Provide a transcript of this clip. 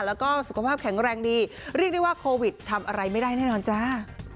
แล้วก็สุขภาพแข็งแรงดีเรียกได้ว่าโควิดทำอะไรไม่ได้แน่นอนจ้า